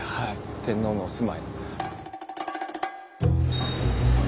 天皇のお住まい。